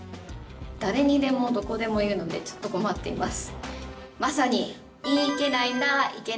誰にでもどこでも言うのでちょっと困っています。